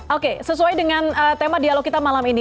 oke sesuai dengan tema dialog kita malam ini